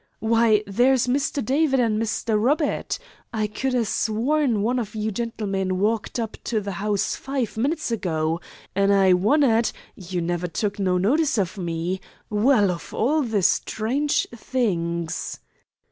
"Why, there's Mr. David an' Mr. Robert! I could ha' sworn one of you gentlemen walked up to the house five minutes ago, an' I wunnered you never took no notice of me. Well, of all the strange things!"